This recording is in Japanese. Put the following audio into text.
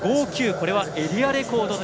これはエリアレコード。